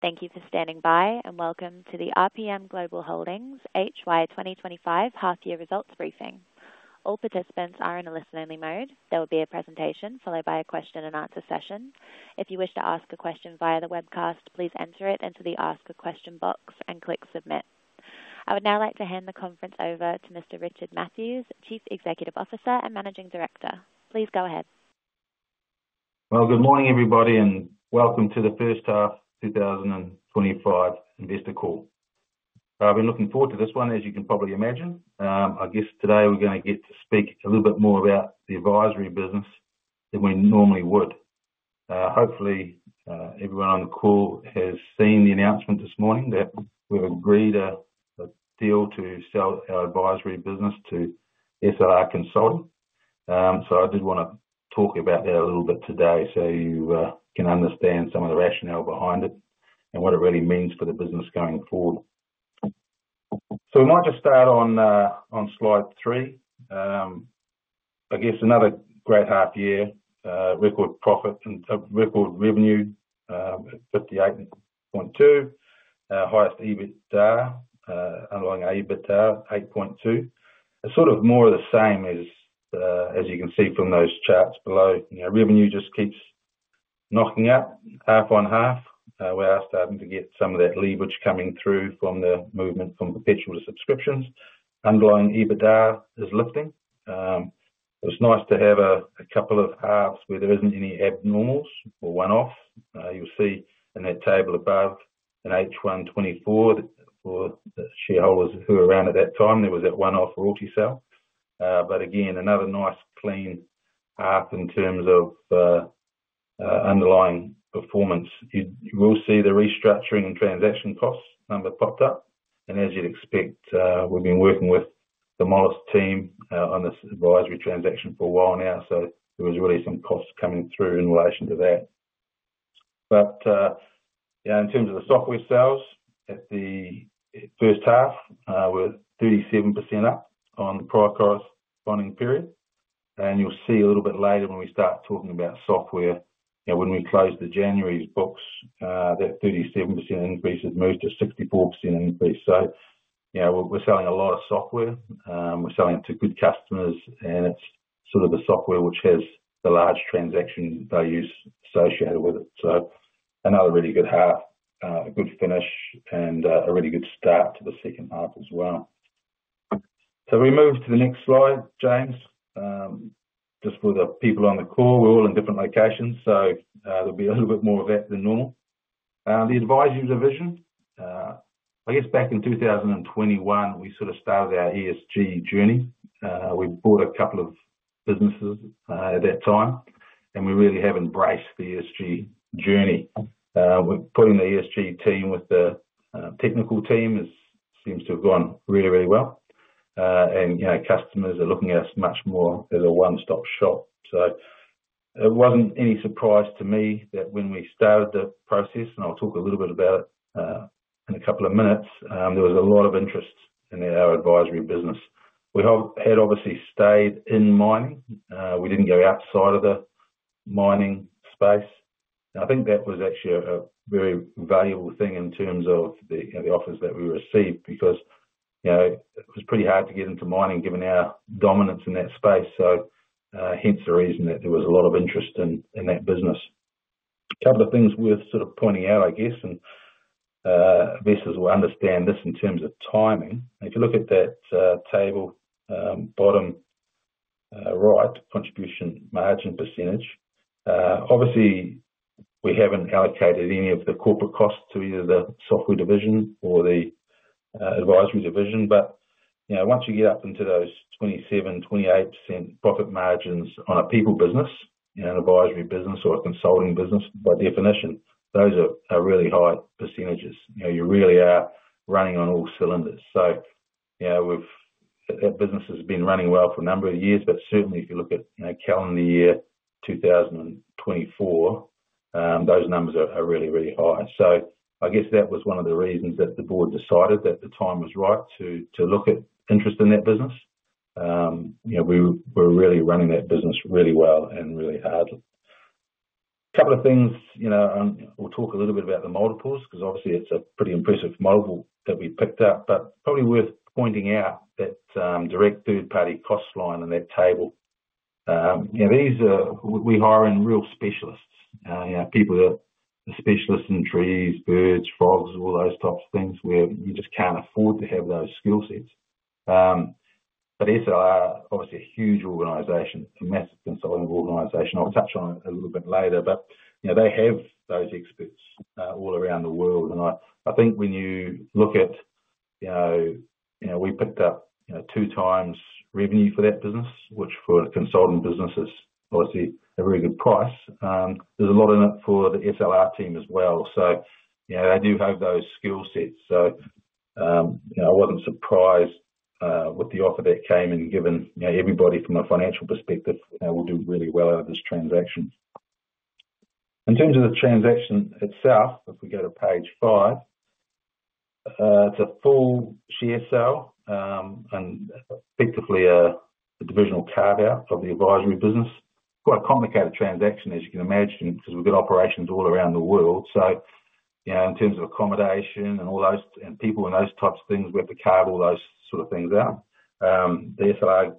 Thank you for standing by, and welcome to the RPM Global Holdings HY 2025 half-year results briefing. All participants are in a listen-only mode. There will be a presentation followed by a question-and-answer session. If you wish to ask a question via the webcast, please enter it into the Ask a Question box and click Submit. I would now like to hand the conference over to Mr. Richard Mathews, Chief Executive Officer and Managing Director. Please go ahead. Good morning, everybody, and welcome to the first half 2025 investor call. I've been looking forward to this one, as you can probably imagine. I guess today we're going to get to speak a little bit more about the advisory business than we normally would. Hopefully, everyone on the call has seen the announcement this morning that we've agreed a deal to sell our advisory business to SLR Consulting. I did want to talk about that a little bit today so you can understand some of the rationale behind it and what it really means for the business going forward. We might just start on slide three. I guess another great half-year, record profit and record revenue at 58.2, highest EBITDA, underlying EBITDA 8.2. It's sort of more of the same as you can see from those charts below. Revenue just keeps knocking up half on half. We're starting to get some of that leverage coming through from the movement from perpetual to subscriptions. Underlying EBITDA is lifting. It's nice to have a couple of halves where there isn't any abnormals or one-offs. You'll see in that table above in H1 2024 for the shareholders who were around at that time, there was that one-off royalty sale. But again, another nice clean half in terms of underlying performance. You will see the restructuring and transaction costs number popped up. And as you'd expect, we've been working with the Moelis team on this advisory transaction for a while now, so there was really some costs coming through in relation to that. But in terms of the software sales, at the first half, we're 37% up on the prior corresponding period. And you'll see a little bit later when we start talking about software, when we close the January books, that 37% increase has moved to 64% increase. So we're selling a lot of software. We're selling it to good customers, and it's sort of the software which has the large transactions they use associated with it. So another really good half, a good finish, and a really good start to the second half as well. So if we move to the next slide, James, just for the people on the call, we're all in different locations, so there'll be a little bit more of that than normal. The advisory division, I guess back in 2021, we sort of started our ESG journey. We bought a couple of businesses at that time, and we really have embraced the ESG journey. Putting the ESG team with the technical team seems to have gone really, really well, and customers are looking at us much more as a one-stop shop, so it wasn't any surprise to me that when we started the process, and I'll talk a little bit about it in a couple of minutes, there was a lot of interest in our advisory business. We had obviously stayed in mining. We didn't go outside of the mining space. I think that was actually a very valuable thing in terms of the offers that we received because it was pretty hard to get into mining given our dominance in that space, so hence the reason that there was a lot of interest in that business. A couple of things worth sort of pointing out, I guess, and investors will understand this in terms of timing. If you look at that table, bottom right, contribution margin percentage, obviously we haven't allocated any of the corporate costs to either the software division or the advisory division. But once you get up into those 27%-28% profit margins on a people business, an advisory business or a consulting business, by definition, those are really high percentages. You really are running on all cylinders. So that business has been running well for a number of years, but certainly if you look at calendar year 2024, those numbers are really, really high. So I guess that was one of the reasons that the board decided that the time was right to look at interest in that business. We were really running that business really well and really hard. A couple of things. We'll talk a little bit about the multiples, because obviously it's a pretty impressive multiple that we picked up, but probably worth pointing out that direct third-party cost line in that table. We hire in real specialists, people that are specialists in trees, birds, frogs, all those types of things where you just can't afford to have those skill sets. But SLR, obviously a huge organization, a massive consulting organization. I'll touch on it a little bit later, but they have those experts all around the world. And I think when you look at we picked up 2x revenue for that business, which for consulting business is obviously a really good price. There's a lot in it for the SLR team as well. So they do have those skill sets. So I wasn't surprised with the offer that came in, given everybody from a financial perspective will do really well out of this transaction. In terms of the transaction itself, if we go to page five, it's a full share sale and effectively a divisional carve-out of the advisory business. Quite a complicated transaction, as you can imagine, because we've got operations all around the world. So in terms of accommodation and people and those types of things, we have to carve all those sort of things out. The SLR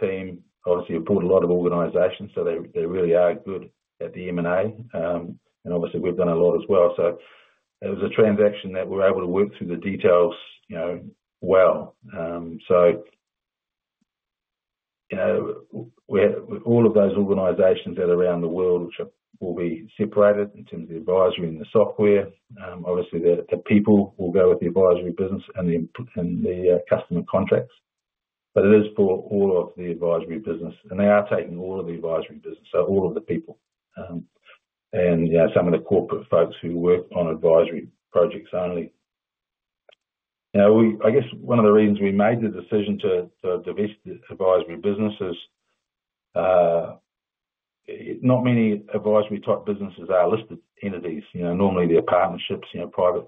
team, obviously, have bought a lot of organizations, so they really are good at the M&A. And obviously, we've done a lot as well. So it was a transaction that we were able to work through the details well. So all of those organizations that are around the world, which will be separated in terms of the advisory and the software, obviously the people will go with the advisory business and the customer contracts. But it is for all of the advisory business. And they are taking all of the advisory business, so all of the people and some of the corporate folks who work on advisory projects only. I guess one of the reasons we made the decision to divest the advisory business is not many advisory-type businesses are listed entities. Normally, they're partnerships, private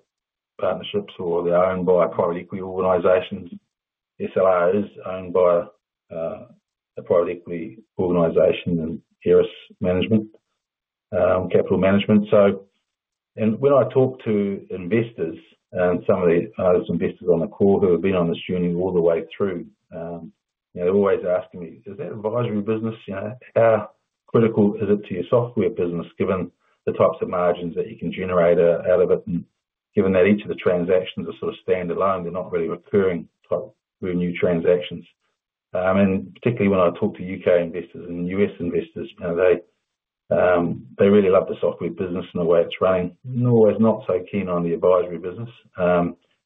partnerships, or they're owned by private equity organizations. SLR is owned by a private equity organization and Ares Management, capital management. And when I talk to investors and some of the other investors on the call who have been on this journey all the way through, they're always asking me, "Is that advisory business? How critical is it to your software business, given the types of margins that you can generate out of it?" And given that each of the transactions are sort of standalone, they're not really recurring type revenue transactions. And particularly when I talk to U.K. investors and U.S. investors, they really love the software business and the way it's running. Norway is not so keen on the advisory business.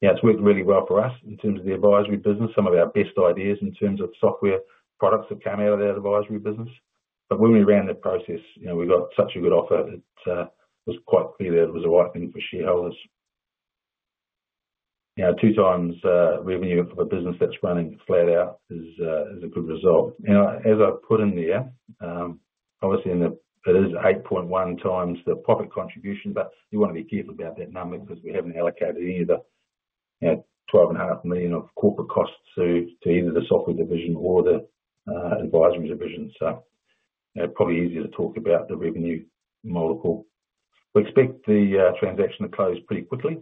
It's worked really well for us in terms of the advisory business. Some of our best ideas in terms of software products have come out of that advisory business. But when we ran the process, we got such a good offer that it was quite clear that it was the right thing for shareholders. 2x revenue of a business that's running flat out is a good result. As I put in there, obviously it is 8.1x the profit contribution, but you want to be careful about that number because we haven't allocated any of the 12.5 million of corporate costs to either the software division or the advisory division. So probably easier to talk about the revenue multiple. We expect the transaction to close pretty quickly.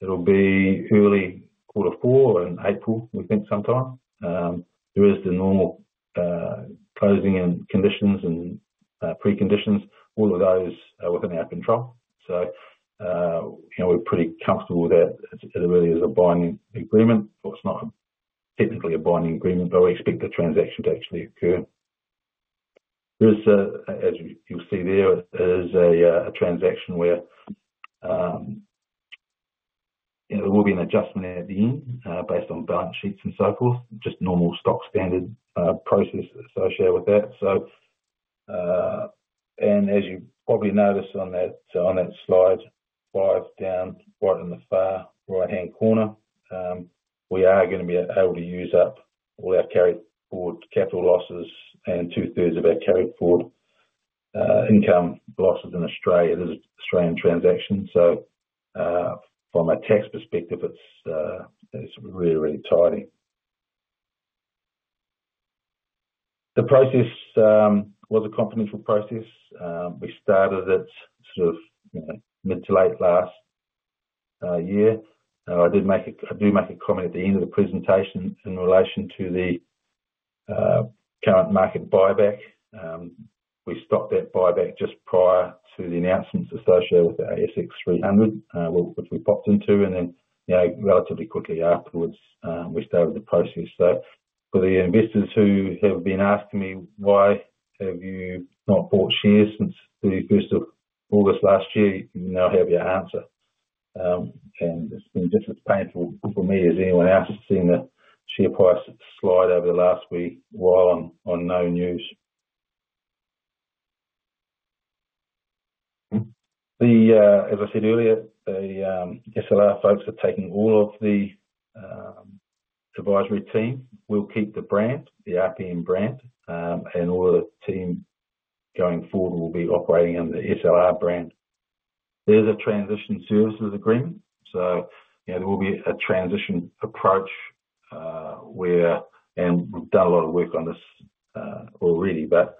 It'll be early quarter four in April, we think sometime. There is the normal closing and conditions and preconditions. All of those are within our control. So we're pretty comfortable with that. It really is a binding agreement. It's not technically a binding agreement, but we expect the transaction to actually occur. As you'll see there, it is a transaction where there will be an adjustment at the end based on balance sheets and so forth, just normal stock standard process associated with that. And as you probably noticed on that slide, five down right in the far right-hand corner, we are going to be able to use up all our carried forward capital losses and 2/3 of our carried forward income losses in Australia. It is an Australian transaction. So from a tax perspective, it's really, really tidy. The process was a confidential process. We started it sort of mid to late last year. I do make a comment at the end of the presentation in relation to the current market buyback. We stopped that buyback just prior to the announcements associated with our ASX 300, which we popped into. And then relatively quickly afterwards, we started the process. So for the investors who have been asking me, "Why have you not bought shares since the 1st of August last year?" You know I have your answer. And it's been just as painful for me as anyone else seeing the share price slide over the last week while on no news. As I said earlier, the SLR folks are taking all of the advisory team. We'll keep the brand, the RPM brand, and all of the team going forward will be operating under the SLR brand. There's a Transition Services Agreement. So there will be a transition approach where we've done a lot of work on this already, but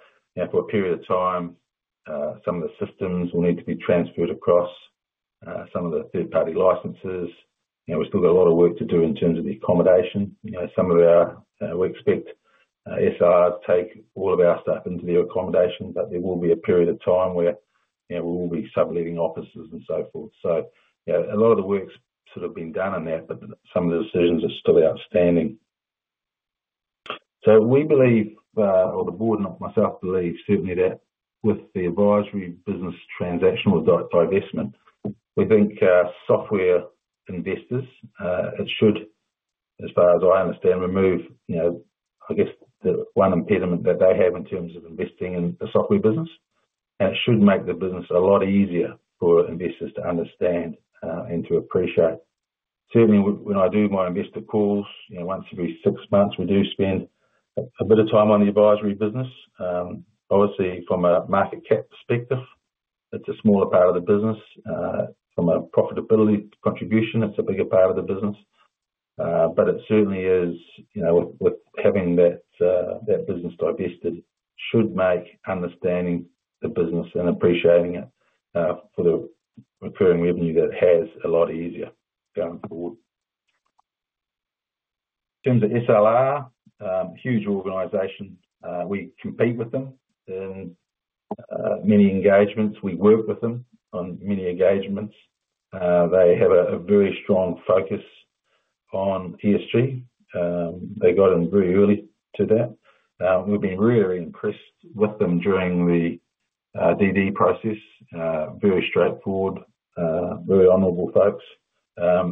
for a period of time, some of the systems will need to be transferred across some of the third-party licenses. We still got a lot of work to do in terms of the accommodation. Some of our, we expect SLR to take all of our stuff into their accommodation, but there will be a period of time where we will be subletting offices and so forth. So a lot of the work's sort of been done on that, but some of the decisions are still outstanding. So we believe, or the board and myself believe certainly that with the advisory business transactional divestment, we think software investors, it should, as far as I understand, remove, I guess, the one impediment that they have in terms of investing in the software business. It should make the business a lot easier for investors to understand and to appreciate. Certainly, when I do my investor calls, once every six months, we do spend a bit of time on the advisory business. Obviously, from a market cap perspective, it's a smaller part of the business. From a profitability contribution, it's a bigger part of the business. But it certainly is, with having that business divested, should make understanding the business and appreciating it for the recurring revenue that has a lot easier going forward. In terms of SLR, huge organization. We compete with them in many engagements. We work with them on many engagements. They have a very strong focus on ESG. They got in very early to that. We've been really, really impressed with them during the DD process. Very straightforward, very honorable folks.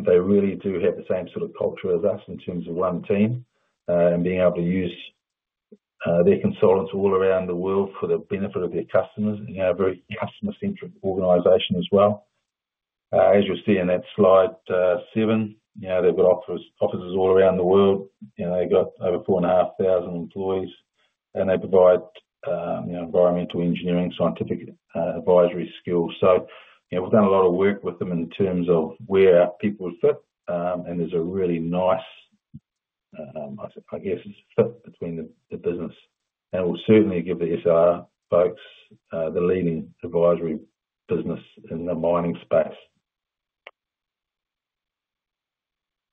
They really do have the same sort of culture as us in terms of one team and being able to use their consultants all around the world for the benefit of their customers. Very customer-centric organization as well. As you'll see in that slide seven, they've got offices all around the world. They've got over 4,500 employees, and they provide environmental engineering, scientific advisory skills. So we've done a lot of work with them in terms of where people fit, and there's a really nice, I guess, fit between the business. And it will certainly give the SLR folks the leading advisory business in the mining space.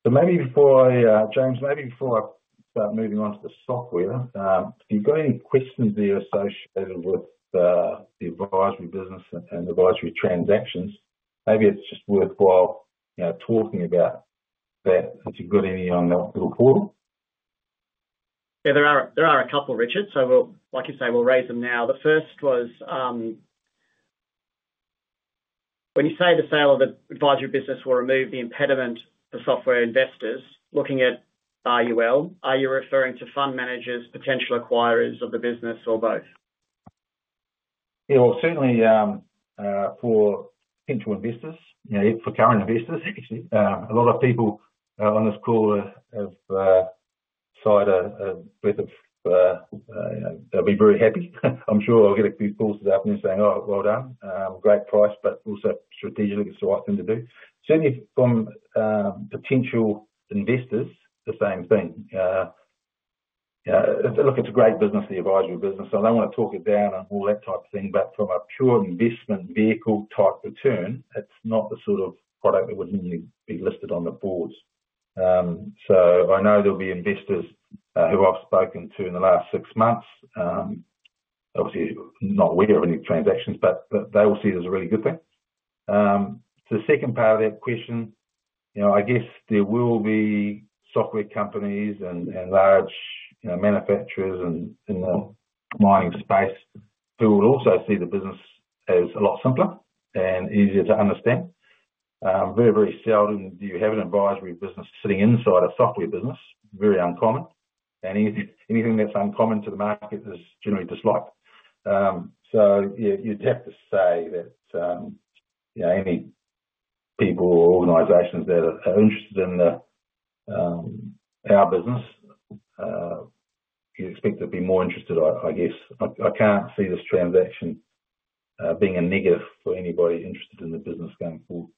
So maybe before I, James, maybe before I start moving on to the software, if you've got any questions there associated with the advisory business and advisory transactions, maybe it's just worthwhile talking about that as you've got any on the portal. Yeah, there are a couple, Richard. So like you say, we'll raise them now. The first was, when you say the sale of the advisory business will remove the impediment for software investors looking at RPM, are you referring to fund managers, potential acquirers of the business, or both? Yeah, well, certainly for potential investors, for current investors, actually. A lot of people on this call have decided they'll be very happy. I'm sure I'll get a few calls that are up there saying, "Oh, well done. Great price, but also strategically it's the right thing to do." Certainly from potential investors, the same thing. If they look at the great business, the advisory business, and they want to talk it down and all that type of thing, but from a pure investment vehicle type return, it's not the sort of product that would normally be listed on the boards. So I know there'll be investors who I've spoken to in the last six months, obviously not aware of any transactions, but they will see it as a really good thing. To the second part of that question, I guess there will be software companies and large manufacturers in the mining space who will also see the business as a lot simpler and easier to understand. Very, very seldom do you have an advisory business sitting inside a software business. Very uncommon. And anything that's uncommon to the market is generally disliked. So you'd have to say that any people or organizations that are interested in our business, you'd expect to be more interested, I guess. I can't see this transaction being a negative for anybody interested in the business going forward.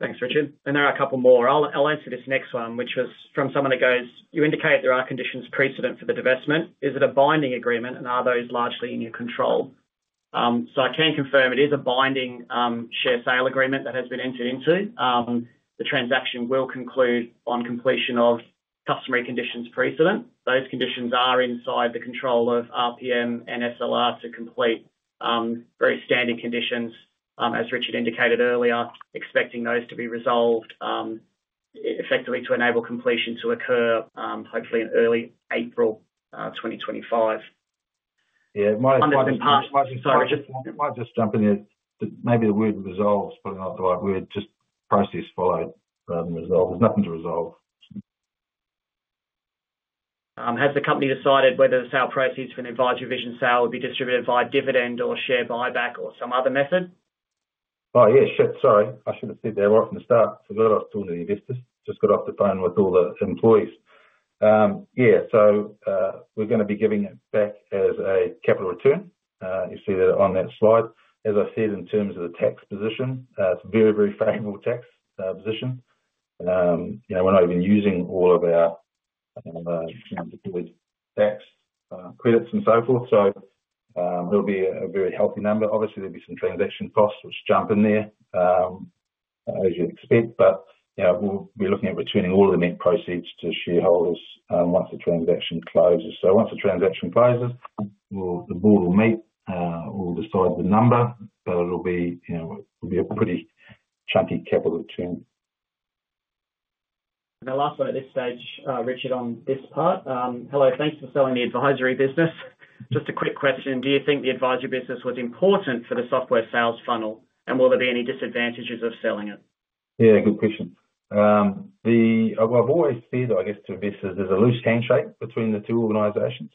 Thanks, Richard. And there are a couple more. I'll answer this next one, which was from someone that goes, "You indicate there are conditions precedent for the divestment. Is it a binding agreement, and are those largely in your control?" So I can confirm it is a binding share sale agreement that has been entered into. The transaction will conclude on completion of customary conditions precedent. Those conditions are inside the control of RPM and SLR to complete very standard conditions, as Richard indicated earlier, expecting those to be resolved effectively to enable completion to occur hopefully in early April 2025. Yeah, it might have been part of it. Sorry, Richard. It might just jump in there. Maybe the word resolve is probably not the right word. Just process followed rather than resolve. There's nothing to resolve. Has the company decided whether the sale proceeds from the advisory division sale will be distributed via dividend or share buyback or some other method? Oh, yeah. Sorry. I should have said that right from the start. Forgot I was talking to the investors. Just got off the phone with all the employees. Yeah, so we're going to be giving it back as a capital return. You see that on that slide. As I said, in terms of the tax position, it's a very, very favorable tax position. We're not even using all of our tax credits and so forth. So it'll be a very healthy number. Obviously, there'll be some transaction costs which jump in there, as you'd expect. But we'll be looking at returning all of the net proceeds to shareholders once the transaction closes. So once the transaction closes, the board will meet. We'll decide the number, but it'll be a pretty chunky capital return. And the last one at this stage, Richard, on this part. Hello, thanks for selling the advisory business. Just a quick question. Do you think the advisory business was important for the software sales funnel, and will there be any disadvantages of selling it? Yeah, good question. I've always said, I guess, to investors, there's a loose handshake between the two organizations.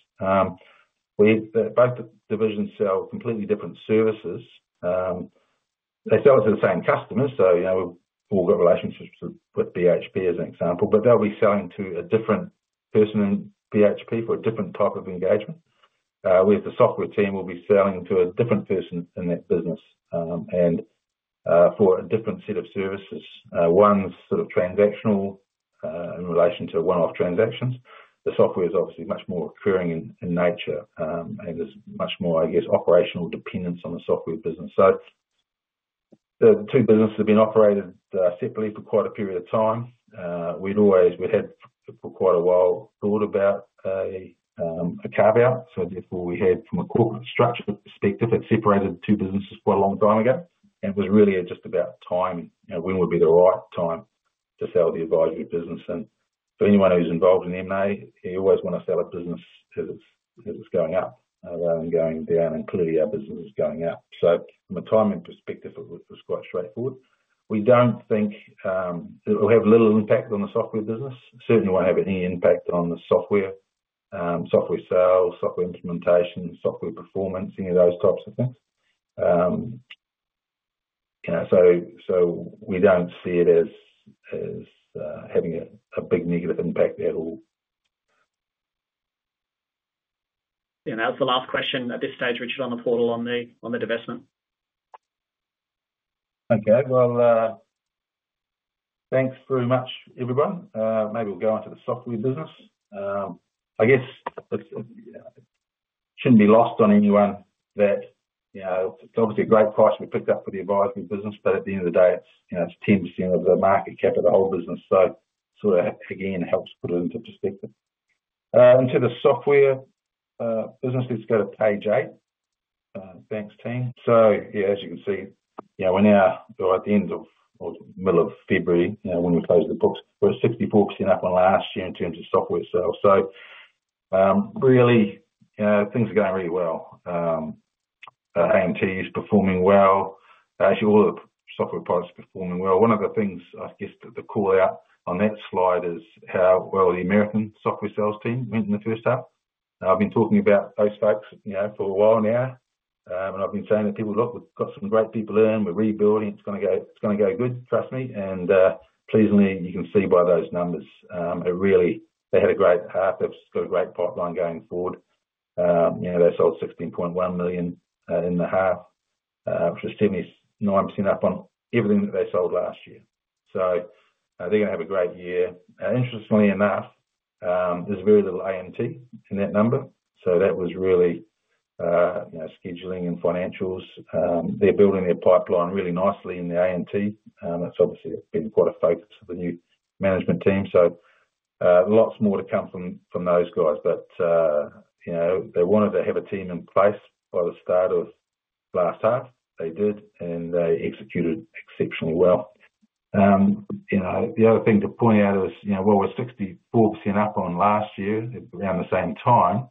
Both divisions sell completely different services. They sell it to the same customers, so we've all got relationships with BHP, as an example. But they'll be selling to a different person in BHP for a different type of engagement. With the software team, we'll be selling to a different person in that business and for a different set of services. One's sort of transactional in relation to one-off transactions. The software is obviously much more recurring in nature, and there's much more, I guess, operational dependence on the software business, so the two businesses have been operated separately for quite a period of time. We'd always had, for quite a while, thought about a carve-out, so therefore, we had, from a corporate structure perspective, had separated two businesses quite a long time ago, and it was really just about timing. When would be the right time to sell the advisory business, and for anyone who's involved in M&A, you always want to sell a business as it's going up rather than going down, including our businesses going up, so from a timing perspective, it was quite straightforward. We don't think it will have little impact on the software business. Certainly won't have any impact on the software, software sales, software implementation, software performance, any of those types of things. So we don't see it as having a big negative impact at all. Yeah, and that was the last question at this stage, Richard, on the part of the divestment. Okay, well, thanks very much, everyone. Maybe we'll go on to the software business. I guess it shouldn't be lost on anyone that it's obviously a great price we picked up for the advisory business, but at the end of the day, it's 10% of the market cap of the whole business. So sort of, again, helps put it into perspective. Into the software business, it's going to page eight, Matt's team. So yeah, as you can see, we're now at the end of or middle of February when we close the books. We're at 64% up on last year in terms of software sales. So really, things are going really well. AMT is performing well. Actually, all the software products are performing well. One of the things, I guess, that the call-out on that slide is how well the American software sales team went in the first half. I've been talking about those folks for a while now, and I've been saying to people, "Look, we've got some great people in. We're rebuilding. It's going to go good, trust me." And pleasingly, you can see by those numbers, really, they had a great half. They've got a great pipeline going forward. They sold 16.1 million in the half, which was 79% up on everything that they sold last year. So they're going to have a great year. Interestingly enough, there's very little AMT in that number. So that was really scheduling and financials. They're building their pipeline really nicely in the AMT. That's obviously been quite a focus of the new management team. So lots more to come from those guys. But they wanted to have a team in place by the start of last half. They did, and they executed exceptionally well. The other thing to point out is, while we're 64% up on last year around the same time,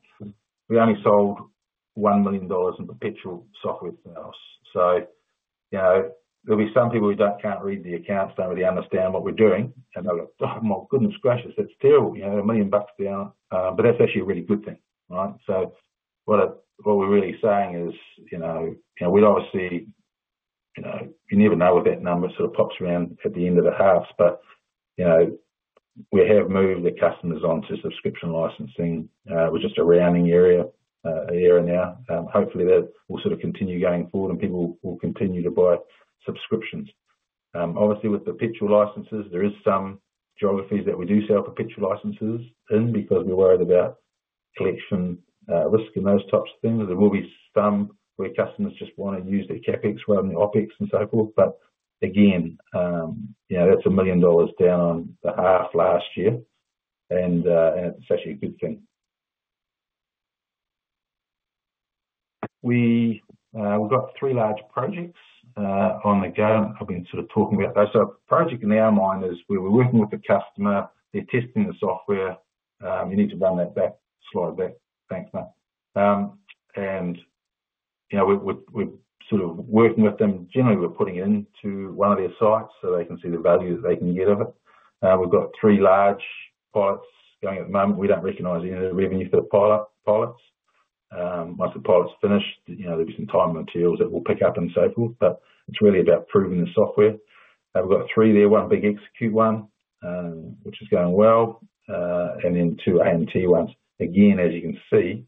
we only sold 1 million dollars in perpetual software sales. So there'll be some people who can't read the accounts, don't really understand what we're doing, and they'll go, "Oh, my goodness gracious. That's terrible. A million bucks down." But that's actually a really good thing, right? So what we're really saying is we'd obviously you never know what that number sort of pops around at the end of the half, but we have moved the customers on to subscription licensing. We're just a rounding error now. Hopefully, that will sort of continue going forward, and people will continue to buy subscriptions. Obviously, with perpetual licenses, there are some geographies that we do sell perpetual licenses in because we're worried about collection risk and those types of things. There will be some where customers just want to use their CapEx rather than the OpEx and so forth, but again, that's 1 million dollars down on the half last year, and it's actually a good thing. We've got three large projects on the go. I've been sort of talking about those, so a project in our mind is where we're working with the customer. They're testing the software, you need to run that back slide back, thanks, Matt, and we're sort of working with them. Generally, we're putting it into one of their sites so they can see the value that they can get of it. We've got three large pilots going at the moment. We don't recognise any of the revenue for the pilots. Once the pilots finish, there'll be some time materials that we'll pick up and so forth. But it's really about proving the software. We've got three there, one big XECUTE one, which is going well, and then two AMT ones. Again, as you can see,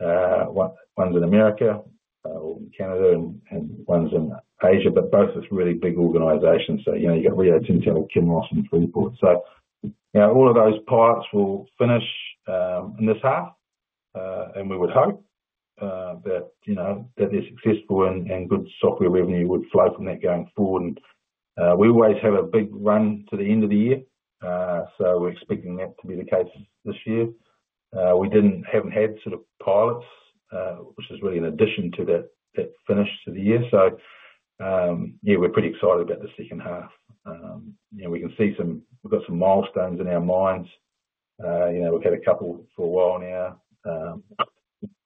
ones in America or in Canada and ones in Asia, but both are really big organizations. So you've got Rio Tinto, Kinross, and Freeport. So all of those pilots will finish in this half, and we would hope that they're successful and good software revenue would flow from that going forward. And we always have a big run to the end of the year, so we're expecting that to be the case this year. We haven't had sort of pilots, which is really an addition to that finish to the year. So yeah, we're pretty excited about the second half. We can see we've got some milestones in our minds. We've had a couple for a while now.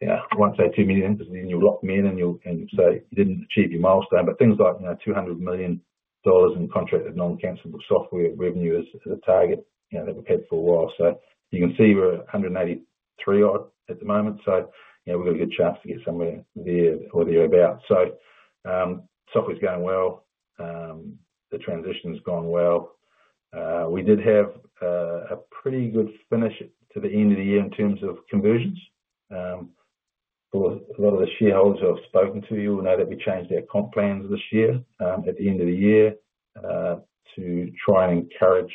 Yeah, I won't say AUD 2 million because then you'll lock me in and you'll say you didn't achieve your milestone. But things like 200 million dollars in contracted non-cancellable software revenue is a target that we've had for a while. So you can see we're 183 odd at the moment. So we've got a good chance to get somewhere there or thereabouts. So software's going well. The transition's gone well. We did have a pretty good finish to the end of the year in terms of conversions. A lot of the shareholders who I've spoken to will know that we changed our comp plans this year at the end of the year to try and encourage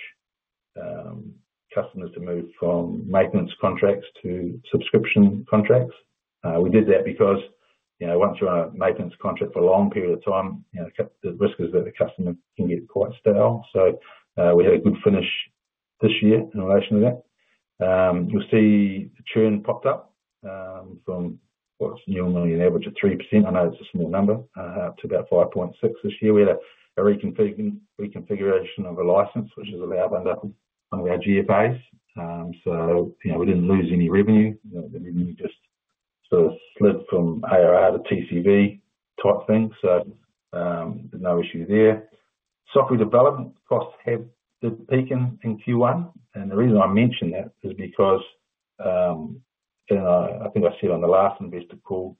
customers to move from maintenance contracts to subscription contracts. We did that because once you're on a maintenance contract for a long period of time, the risk is that the customer can get quite stale. So we had a good finish this year in relation to that. You'll see churn popped up from what's normally an average of 3%. I know it's a small number up to about 5.6% this year. We had a reconfiguration of a license, which is allowed under one of our GFAs. So we didn't lose any revenue. The revenue just sort of slid from ARR to TCV type thing. So no issue there. Software development costs have peaked in Q1. And the reason I mention that is because, and I think I said on the last investor call,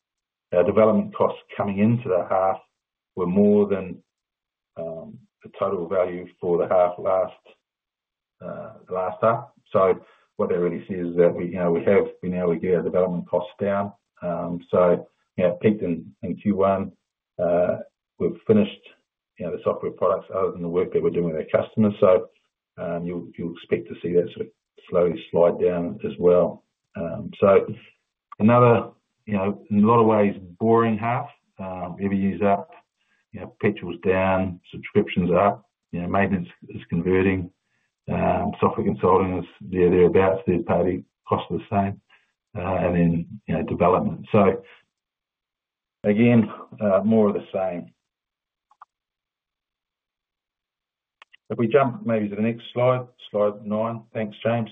our development costs coming into the half were more than the total value for the half last half. So what that really says is that we have been able to get our development costs down. So it peaked in Q1. We've finished the software products other than the work that we're doing with our customers. So you'll expect to see that sort of slowly slide down as well. So another, in a lot of ways, boring half. Every year's up. Perpetual's down. Subscriptions up. Maintenance is converting. Software consulting is thereabouts. They're paying costs the same. And then development. So again, more of the same. If we jump maybe to the next slide, slide nine, thanks, James.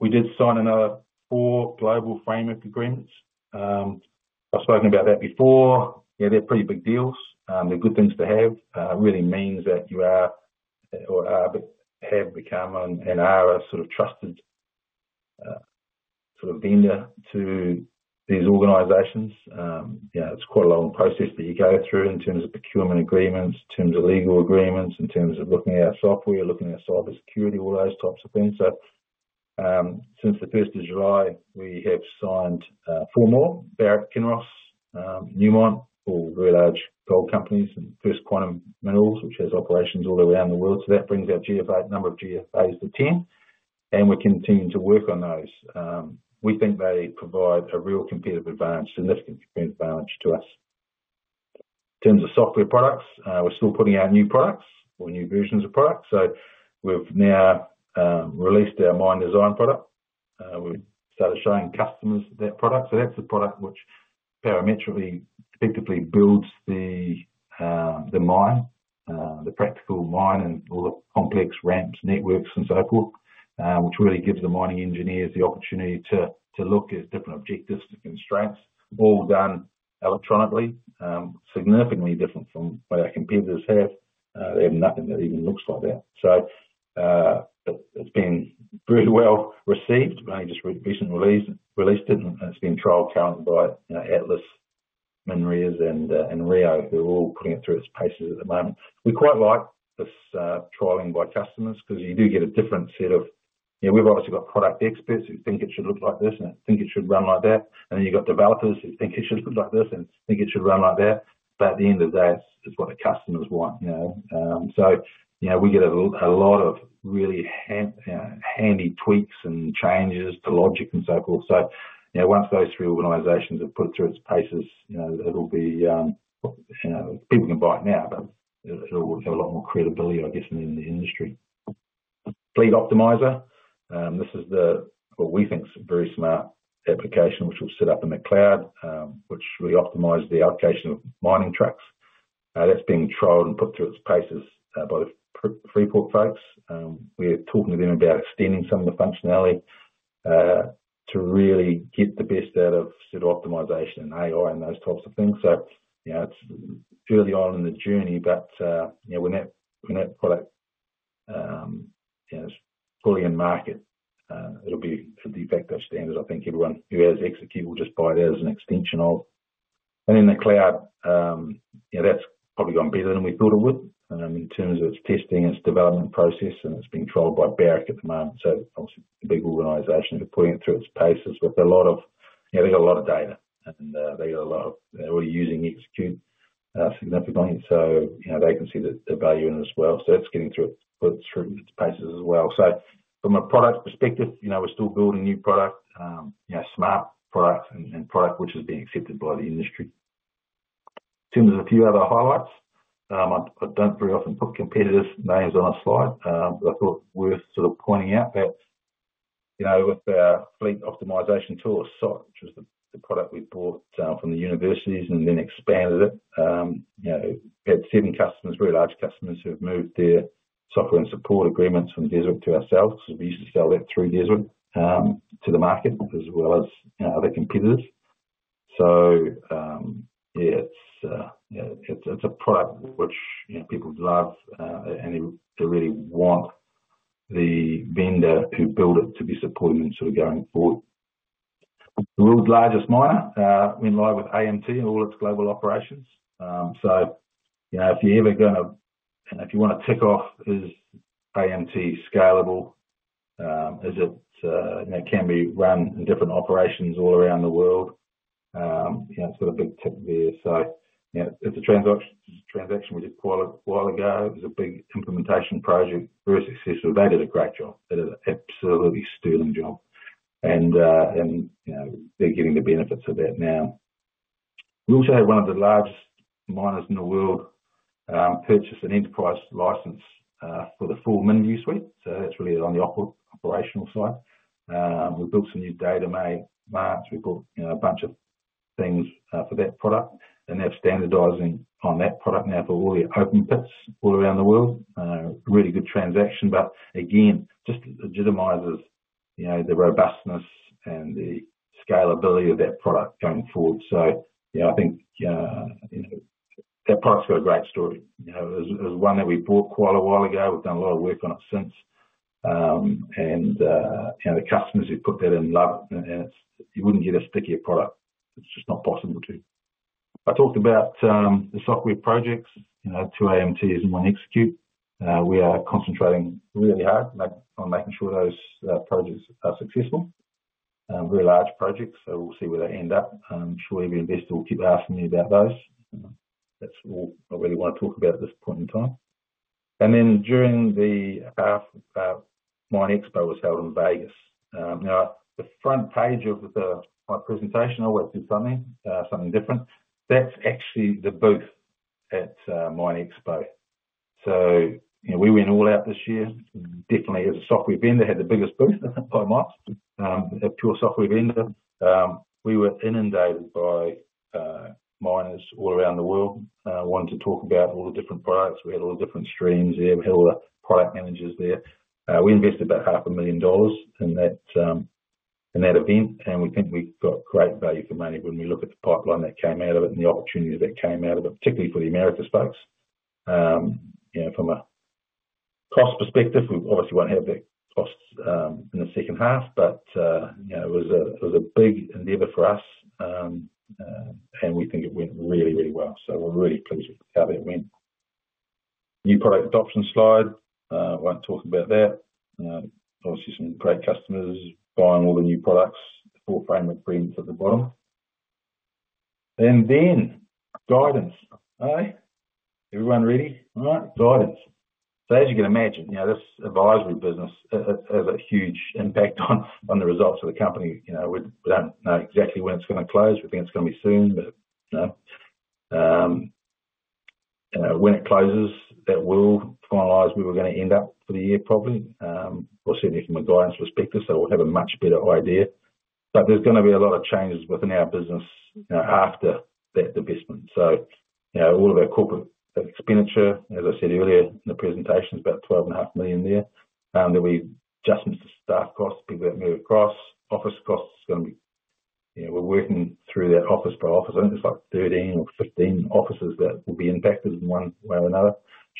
We did sign another four global framework agreements. I've spoken about that before. Yeah, they're pretty big deals. They're good things to have. It really means that you are or have become and are a sort of trusted sort of vendor to these organizations. It's quite a long process that you go through in terms of procurement agreements, in terms of legal agreements, in terms of looking at our software, looking at cybersecurity, all those types of things. So since the 1st of July, we have signed four more: Barrick, Kinross, Newmont, all very large gold companies, and First Quantum Minerals, which has operations all around the world. So that brings our number of GFAs to 10. And we're continuing to work on those. We think they provide a real competitive advantage, significant competitive advantage to us. In terms of software products, we're still putting out new products or new versions of products. So we've now released our mine design product. We've started showing customers that product. So that's a product which parametrically effectively builds the mine, the practical mine and all the complex ramps, networks, and so forth, which really gives the mining engineers the opportunity to look at different objectives and constraints, all done electronically. Significantly different from what our competitors have. They have nothing that even looks like that. So it's been very well received. We only just recently released it, and it's been trialed currently by Atlas, Mineral, and Rio, who are all putting it through its paces at the moment. We quite like this trialing by customers because you do get a different set of eyes. We've obviously got product experts who think it should look like this, and they think it should run like that. And then you've got developers who think it should look like this and think it should run like that. But at the end of the day, it's what the customers want. So we get a lot of really handy tweaks and changes to logic and so forth. So once those three organizations have put it through its paces, it'll be people can buy it now, but it'll have a lot more credibility, I guess, in the industry. FleetOptimiser. This is the, what we think, is a very smart application, which we've set up in the cloud, which really optimizes the allocation of mining trucks. That's being trialed and put through its paces by the Freeport folks. We're talking to them about extending some of the functionality to really get the best out of SOT optimization and AI and those types of things. So it's early on in the journey, but when that product is fully in market, it'll be the exact same as I think everyone who has XECUTE will just buy it as an extension of. And in the cloud, that's probably gone better than we thought it would in terms of its testing, its development process, and it's being trialed by Barrick at the moment. So obviously, a big organization who are putting it through its paces with a lot of data, and they're already using XECUTE significantly. So they can see the value in it as well. So it's getting through its paces as well. So from a product perspective, we're still building new product, smart product, and product which is being accepted by the industry. In terms of a few other highlights, I don't very often put competitors' names on a slide, but I thought it was worth sort of pointing out that with our Fleet Optimisation Tool, SOT, which was the product we bought from the universities and then expanded it, we had seven customers, very large customers, who have moved their software and support agreements from Deswik to ourselves because we used to sell that through Deswik to the market as well as other competitors. So yeah, it's a product which people love and they really want the vendor who built it to be supported in sort of going forward. The world's largest miner. We're in line with AMT and all its global operations. So if you're ever going to if you want to tick off, is AMT scalable? Can we run in different operations all around the world? It's got a big tick there. So it's a transaction we did quite a while ago. It was a big implementation project, very successful. They did a great job. They did an absolutely stunning job. And they're getting the benefits of that now. We also have one of the largest miners in the world purchase an enterprise license for the full MinVu suite. So that's really on the operational side. We built some new data in March. We built a bunch of things for that product and have standardizing on that product now for all the open pits all around the world. Really good transaction. But again, just legitimizes the robustness and the scalability of that product going forward. So I think that product's got a great story. It was one that we bought quite a while ago. We've done a lot of work on it since. And the customers who put that in love, and you wouldn't get a stickier product. It's just not possible to. I talked about the software projects, two AMTs and one XECUTE. We are concentrating really hard on making sure those projects are successful, very large projects. So we'll see where they end up. Surely the investor will keep asking me about those. That's all I really want to talk about at this point in time. And then during the half, MINExpo was held in Vegas. Now, the front page of my presentation, I want to do something different. That's actually the booth at MINExpo. So we went all out this year. Definitely, as a software vendor, had the biggest booth by far, a pure software vendor. We were inundated by miners all around the world wanting to talk about all the different products. We had all the different streams there. We had all the product managers there. We invested about 500,000 dollars in that event, and we think we've got great value for money when we look at the pipeline that came out of it and the opportunities that came out of it, particularly for the America folks. From a cost perspective, we obviously won't have that cost in the second half, but it was a big endeavor for us, and we think it went really, really well. So we're really pleased with how that went. New product adoption slide. We won't talk about that. Obviously, some great customers buying all the new products, four framework agreements at the bottom. And then guidance. Okay. Everyone ready? All right. Guidance. So as you can imagine, this advisory business has a huge impact on the results of the company. We don't know exactly when it's going to close. We think it's going to be soon, but when it closes, that will finalize where we're going to end up for the year probably, or certainly from a guidance perspective. So we'll have a much better idea. But there's going to be a lot of changes within our business after that investment. So all of our corporate expenditure, as I said earlier in the presentation, is about 12.5 million there that we adjusted to staff costs, people that move across. Office costs are going to be. We're working through that office by office. I think there's like 13 or 15 offices that will be impacted in one way or another.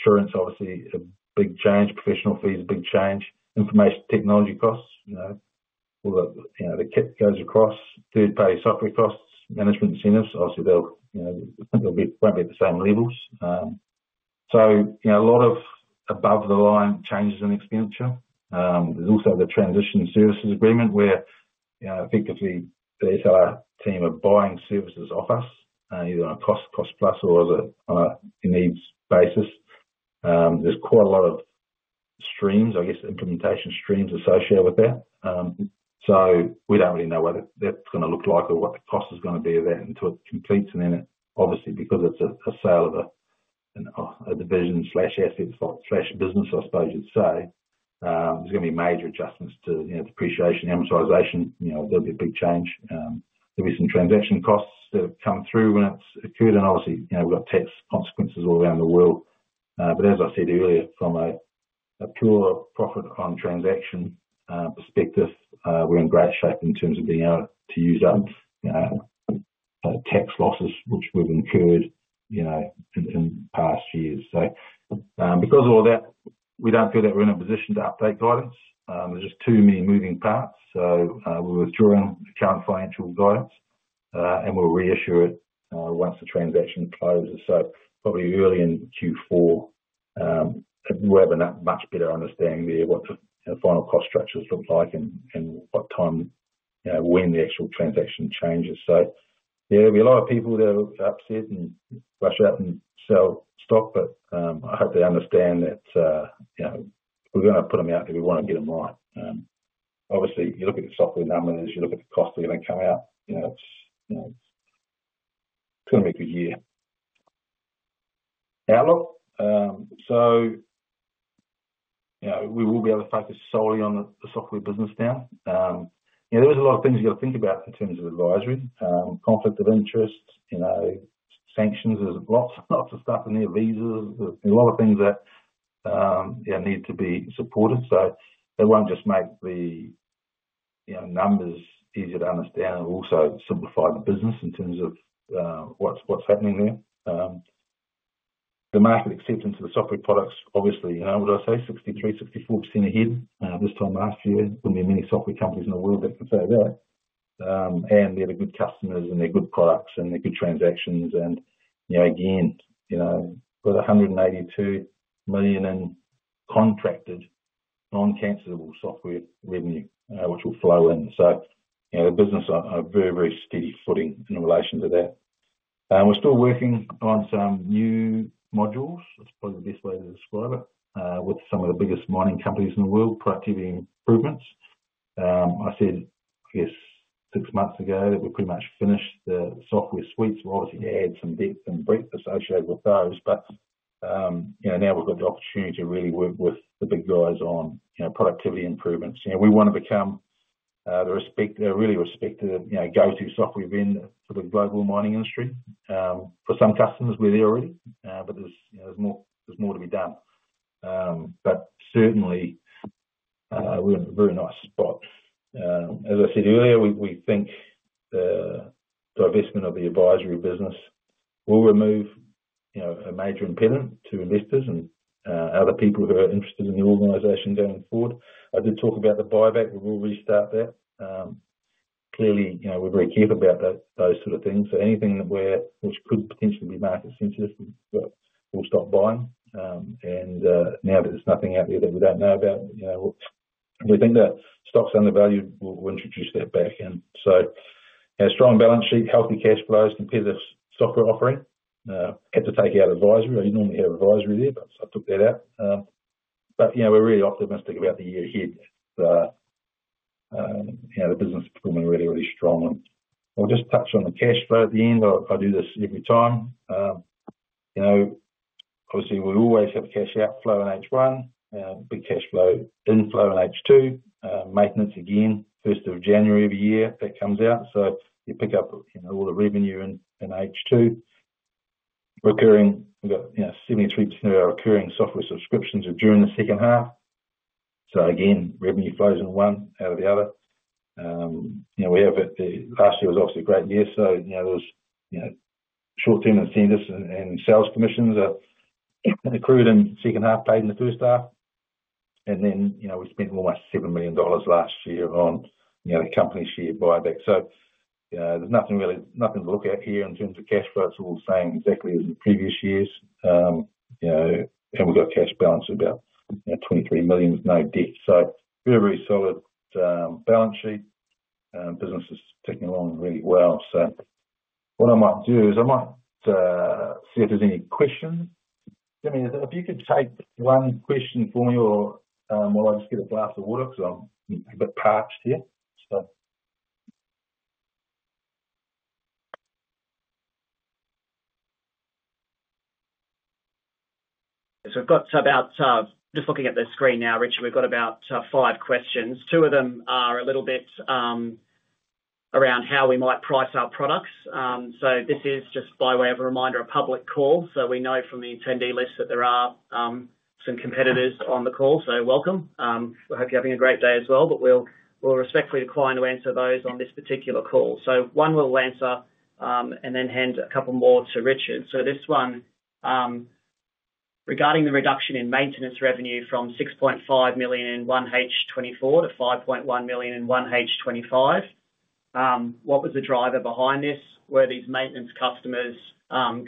Insurance, obviously, a big change. Professional fees, big change. Information technology costs, all the kit goes across. Third-party software costs, management incentives, obviously, they won't be at the same levels. So a lot of above-the-line changes in expenditure. There's also the Transition Services Agreement where effectively the SLR team are buying services off us, either on a cost-plus or on a needs basis. There's quite a lot of streams, I guess, implementation streams associated with that. So we don't really know what that's going to look like or what the cost is going to be of that until it completes. And then obviously, because it's a sale of a division/asset/business, I suppose you'd say, there's going to be major adjustments to depreciation, amortization. There'll be a big change. There'll be some transaction costs that have come through when it's occurred. And obviously, we've got tax consequences all around the world. But as I said earlier, from a pure profit-on-transaction perspective, we're in great shape in terms of being able to use up tax losses which we've incurred in past years. So because of all that, we don't feel that we're in a position to update guidance. There's just too many moving parts. So we're withdrawing the current financial guidance, and we'll reissue it once the transaction closes. So probably early in Q4, we'll have a much better understanding there of what the final cost structures look like and what the timing is when the actual transaction closes. So yeah, there'll be a lot of people that are upset and rush out and sell stock, but I hope they understand that we're going to put it out if we want to get it right. Obviously, you look at the software numbers, you look at the costs that are going to come out. It's going to be a good year. Outlook. We will be able to focus solely on the software business now. There's a lot of things you've got to think about in terms of advisory, conflict of interest, sanctions. There's lots of stuff in there, visas. There's a lot of things that need to be supported. They won't just make the numbers easier to understand and also simplify the business in terms of what's happening there. The market acceptance of the software products, obviously. What did I say? 63%-64% ahead this time last year. There wouldn't be many software companies in the world that could say that. They're good customers, and they're good products, and they're good transactions. Again, we've got AUD 182 million in contracted non-cancellable software revenue, which will flow in. So the business is on a very, very steady footing in relation to that. We're still working on some new modules. That's probably the best way to describe it, with some of the biggest mining companies in the world, productivity improvements. I said, I guess, six months ago that we pretty much finished the software suites. We'll obviously add some depth and breadth associated with those. But now we've got the opportunity to really work with the big guys on productivity improvements. We want to become the really respected go-to software vendor for the global mining industry. For some customers, we're there already, but there's more to be done. But certainly, we're in a very nice spot. As I said earlier, we think the divestment of the advisory business will remove a major impediment to investors and other people who are interested in the organization going forward. I did talk about the buyback. We will restart that. Clearly, we're very careful about those sort of things. So anything which could potentially be market sensitive, we'll stop buying. And now that there's nothing out there that we don't know about, we think that the stock's undervalued. We'll introduce that back. And so a strong balance sheet, healthy cash flows, competitive software offering. Had to take out advisory. I normally have advisory there, but I took that out. But we're really optimistic about the year ahead. The business is performing really, really strong. And I'll just touch on the cash flow at the end. I do this every time. Obviously, we always have cash outflow in H1, big cash flow inflow in H2, maintenance again, 1st of January every year that comes out. So you pick up all the revenue in H2. Recurring, we've got 73% of our recurring software subscriptions are during the second half, so again, revenue flows in one out of the other. Last year was obviously a great year, so there was short-term incentives and sales commissions accrued in the second half, paid in the first half. And then we spent almost 7 million dollars last year on company share buyback, so there's nothing to look at here in terms of cash flow. It's all the same exactly as in previous years, and we've got a cash balance of about 23 million with no debt, so very, very solid balance sheet. Business is ticking along really well, so what I might do is I might see if there's any questions. Jimmy, if you could take one question for me while I just get a glass of water because I'm a bit parched here. So, just looking at the screen now, Richard, we've got about five questions. Two of them are a little bit around how we might price our products. So this is just by way of a reminder, a public call. So we know from the attendee list that there are some competitors on the call. So welcome. We hope you're having a great day as well, but we'll respectfully decline to answer those on this particular call. So one we'll answer and then hand a couple more to Richard. So this one, regarding the reduction in maintenance revenue from 6.5 million in 1H 2024 to 5.1 million in 1H 2025, what was the driver behind this? Were these maintenance customers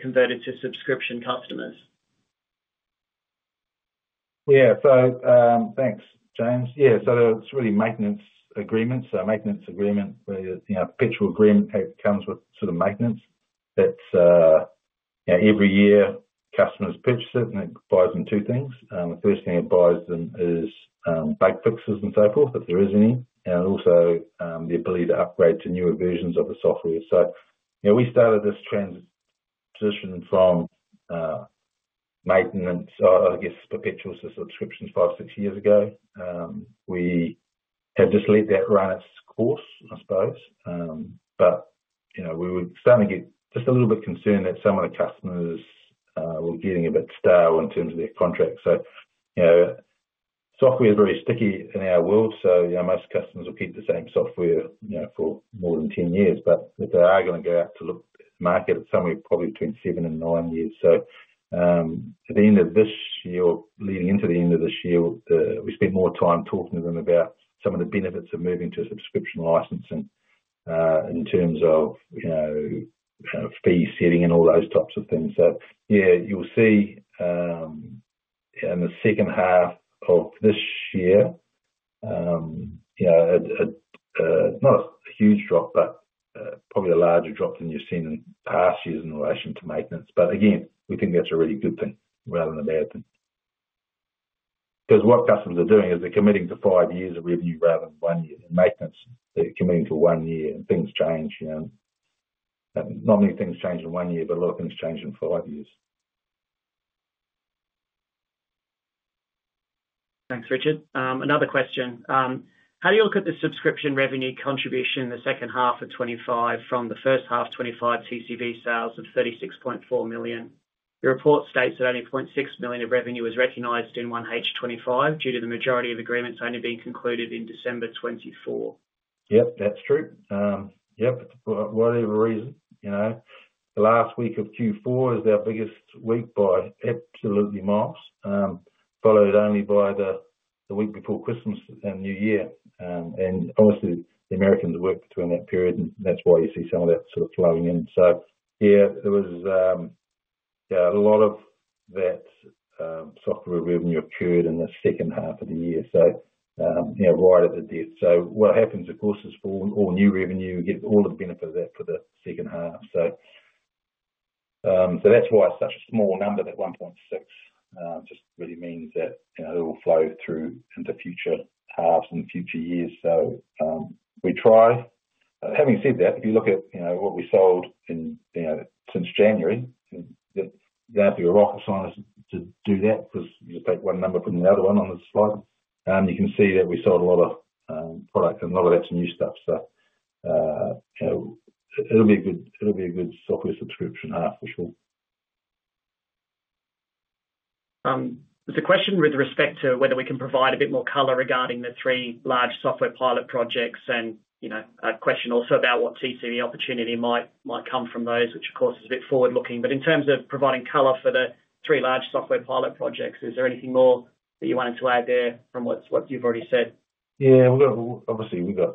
converted to subscription customers? Yeah. So thanks, James. Yeah. So it's really maintenance agreements. So maintenance agreement, where the perpetual agreement comes with sort of maintenance, that every year customers purchase it and it buys them two things. The first thing it buys them is bug fixes and so forth, if there is any. And also the ability to upgrade to newer versions of the software. So we started this transition from maintenance, I guess, perpetual to subscriptions five, six years ago. We have just let that run its course, I suppose. But we were starting to get just a little bit concerned that some of the customers were getting a bit stale in terms of their contract. So software is very sticky in our world. So most customers will keep the same software for more than 10 years. But if they are going to go out to look at the market, it's somewhere probably between seven and nine years. So at the end of this year, leading into the end of this year, we spent more time talking to them about some of the benefits of moving to a subscription licensing in terms of fee setting and all those types of things. So yeah, you'll see in the second half of this year, not a huge drop, but probably a larger drop than you've seen in past years in relation to maintenance. But again, we think that's a really good thing rather than a bad thing. Because what customers are doing is they're committing to five years of revenue rather than one year. In maintenance, they're committing to one year and things change. Not many things change in one year, but a lot of things change in five years. Thanks, Richard. Another question. How do you look at the subscription revenue contribution in the second half of 2025 from the first half 2025 TCV sales of 36.4 million? The report states that only 0.6 million of revenue was recognized in 1H 2025 due to the majority of agreements only being concluded in December 2024. Yep, that's true. Yep, whatever reason. The last week of Q4 is their biggest week by a bloody margin, followed only by the week before Christmas and New Year. And obviously, the Americans don't work between that period, and that's why you see some of that sort of flowing in. So yeah, there was a lot of that software revenue occurred in the second half of the year, so right at the death. So what happens, of course, is all new revenue, you get all the benefit of that for the second half. So that's why it's such a small number that 1.6 just really means that it will flow through into future halves and future years. So we try. Having said that, if you look at what we sold since January, that'd be rocket science to do that because you take one number from the other one on the slide. You can see that we sold a lot of product, and a lot of that's new stuff. So it'll be a good software subscription half, for sure. There's a question with respect to whether we can provide a bit more color regarding the three large software pilot projects and a question also about what TCV opportunity might come from those, which of course is a bit forward-looking. But in terms of providing color for the three large software pilot projects, is there anything more that you wanted to add there from what you've already said? Yeah. Obviously, we've got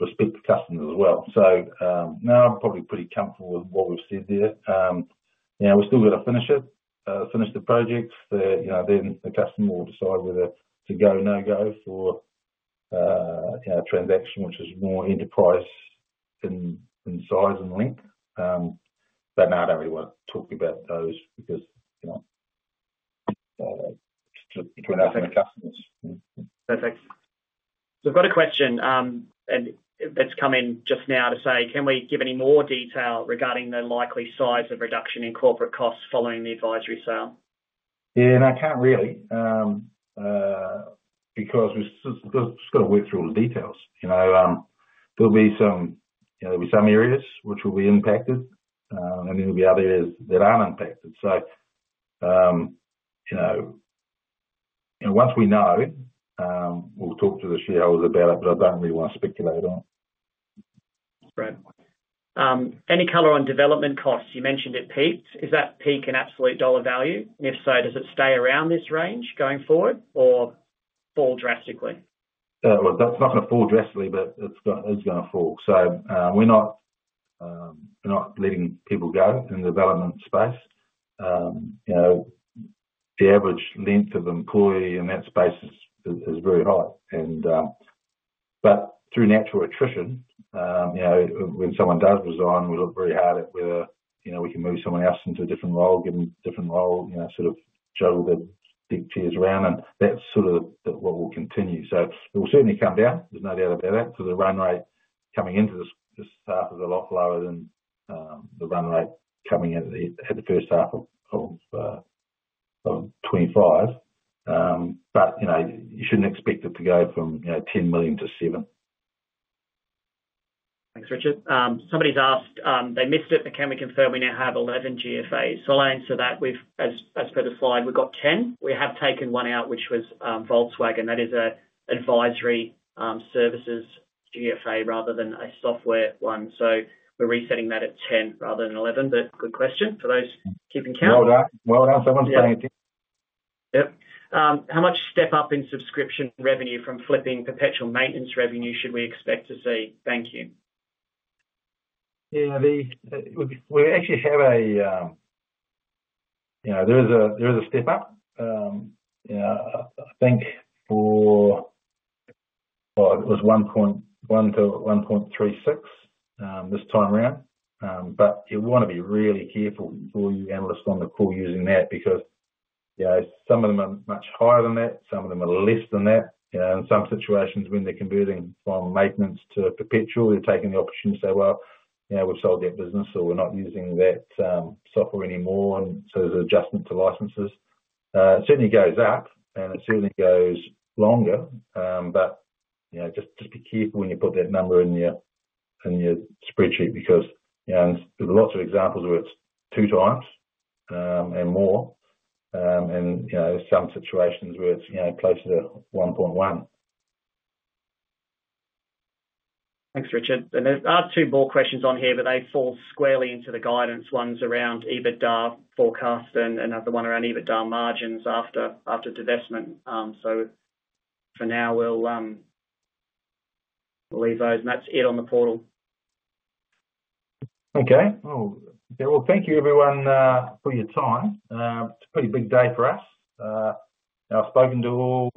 respect for customers as well. So no, I'm probably pretty comfortable with what we've said there. We've still got to finish it, finish the projects. Then the customer will decide whether to go or no-go for a transaction which is more enterprise in size and length. But no, I don't really want to talk about those because it's between us and the customers. Perfect. So we've got a question, and that's come in just now to say, can we give any more detail regarding the likely size of reduction in corporate costs following the advisory sale? Yeah. No, I can't really because we've just got to work through all the details. There'll be some areas which will be impacted, and then there'll be other areas that aren't impacted. So once we know, we'll talk to the shareholders about it, but I don't really want to speculate on it. Right. Any color on development costs? You mentioned it peaked. Is that peak an absolute dollar value? And if so, does it stay around this range going forward or fall drastically? That's not going to fall drastically, but it's going to fall. So we're not letting people go in the development space. The average length of employment in that space is very high. But through natural attrition, when someone does resign, we look very hard at whether we can move someone else into a different role, give them a different role, sort of juggle the big tiers around. And that's sort of what will continue. So it will certainly come down. There's no doubt about that because the run rate coming into this half is a lot lower than the run rate coming at the first half of 2025. But you shouldn't expect it to go from 10 million to 7 million. Thanks, Richard. Somebody's asked, they missed it, but can we confirm we now have 11 GFAs? So I'll answer that. As per the slide, we've got 10. We have taken one out, which was Volkswagen. That is an advisory services GFA rather than a software one. So we're resetting that at 10 rather than 11. But good question for those keeping count. Well done. Well done. Someone's got anything? Yep. How much step-up in subscription revenue from flipping perpetual maintenance revenue should we expect to see? Thank you. Yeah. We actually have a there is a step-up. I think for it was 1.1 to 1.36 this time around. But you want to be really careful before you analysts on the call using that because some of them are much higher than that. Some of them are less than that. In some situations, when they're converting from maintenance to perpetual, they're taking the opportunity to say, "Well, we've sold that business, so we're not using that software anymore." And so there's an adjustment to licenses. It certainly goes up, and it certainly goes longer. But just be careful when you put that number in your spreadsheet because there's lots of examples where it's 2x and more. And there's some situations where it's closer to 1.1. Thanks, Richard. And there are two more questions on here, but they fall squarely into the guidance ones around EBITDA forecast and another one around EBITDA margins after divestment. So for now, we'll leave those. And that's it on the portal. Okay. Thank you, everyone, for your time. It's a pretty big day for us. I've spoken to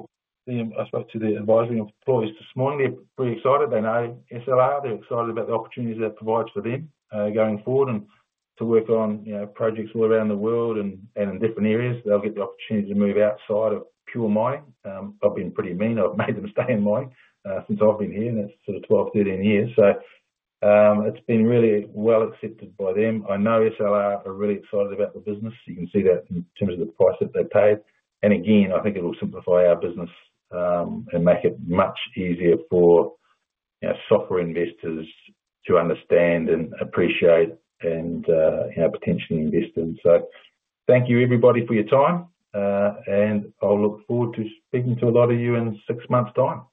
the advisory employees this morning. They're pretty excited. They know SLR. They're excited about the opportunities that it provides for them going forward and to work on projects all around the world and in different areas. They'll get the opportunity to move outside of pure mining. I've been pretty mean. I've made them stay in mining since I've been here, and that's sort of 12 years, 13 years. It's been really well accepted by them. I know SLR are really excited about the business. You can see that in terms of the price that they paid. Again, I think it will simplify our business and make it much easier for software investors to understand and appreciate and potentially invest in. Thank you, everybody, for your time. And I'll look forward to speaking to a lot of you in six months' time. Thanks.